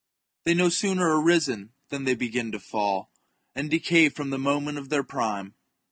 They no sooner arc risen than they begin to fall, and decay from the moment of their prime.